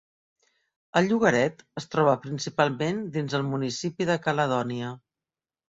El llogaret es troba principalment dins el municipi de Caledonia.